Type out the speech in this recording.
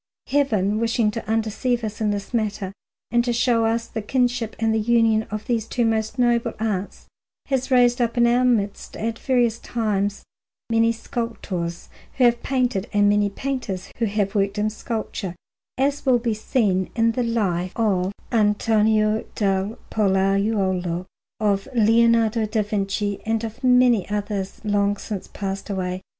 Heaven, wishing to undeceive us in this matter and to show us the kinship and union of these two most noble arts, has raised up in our midst at various times many sculptors who have painted and many painters who have worked in sculpture, as will be seen in the Life of Antonio del Pollaiuolo, of Leonardo da Vinci, and of many others long since passed away.